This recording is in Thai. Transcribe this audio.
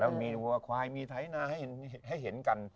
แล้วมีวัวควายมีไถนาให้เห็นกัน